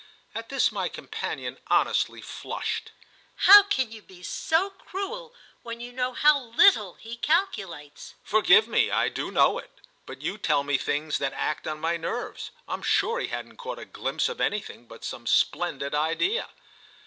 At this my companion honestly flushed. "How can you be so cruel when you know how little he calculates?" "Forgive me, I do know it. But you tell me things that act on my nerves. I'm sure he hadn't caught a glimpse of anything but some splendid idea."